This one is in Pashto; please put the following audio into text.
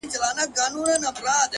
څنگه دې هر صفت پر گوتو باندې وليکمه;